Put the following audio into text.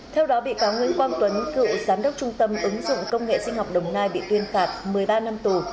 theo đó bị cáo nguyễn quang tuấn cựu giám đốc trung tâm ứng dụng công nghệ sinh học đồng nai bị tuyên phạt một mươi ba năm tù